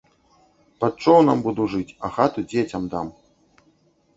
Пад чоўнам буду жыць, а хату дзецям дам!